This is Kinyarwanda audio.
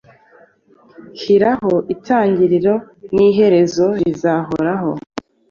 hiraho itangiriro niherezo rizahoraho